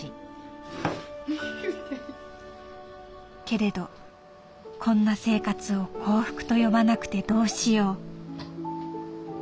「けれどこんな生活を幸福と呼ばなくてどうしよう」。